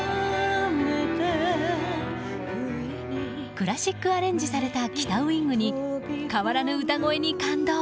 クラシックアレンジされた「北ウイング」に変わらぬ歌声に感動